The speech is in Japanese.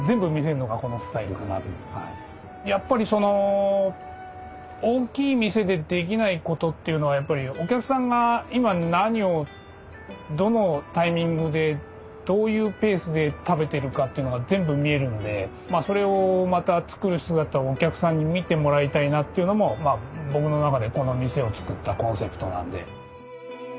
やっぱり大きい店でできないことっていうのはやっぱりお客さんが今何をどのタイミングでどういうペースで食べてるかっていうのが全部見えるのでそれをまた作る姿をお客さんに見てもらいたいなっていうのも僕の中でこの店を作ったコンセプトなんで。